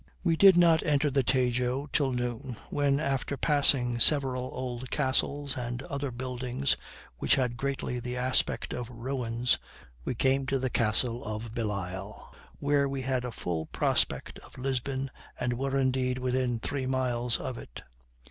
We did not enter the Tajo till noon, when, after passing several old castles and other buildings which had greatly the aspect of ruins, we came to the castle of Bellisle, where we had a full prospect of Lisbon, and were, indeed, within three miles of it.